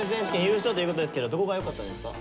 優勝ということですけどどこがよかったですか？